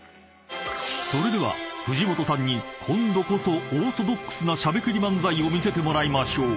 ［それでは藤本さんに今度こそオーソドックスなしゃべくり漫才を見せてもらいましょう］